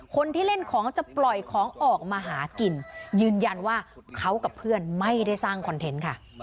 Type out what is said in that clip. คนที่เล่นของจะปล่อยของออกมาหากินยืนยันว่าเขากับเพื่อนไม่ได้สร้างคอนเทนต์ค่ะ